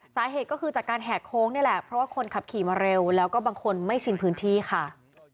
สาเหตุก็คือจากการแหกโค้งนี่แหละเพราะว่าคนขับขี่มาเร็วแล้วก็บางคนไม่ชินพื้นที่ค่ะ